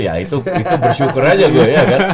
ya itu bersyukur aja gue